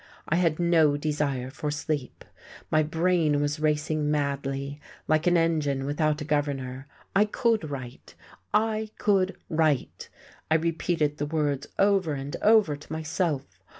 I had no desire for sleep. My brain was racing madly, like an engine without a governor. I could write! I could write! I repeated the words over and over to myself.